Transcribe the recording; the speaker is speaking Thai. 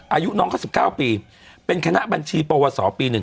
อายุน้องก็สิบเก้าปีเป็นคณะบัญชีปวสอปีหนึ่ง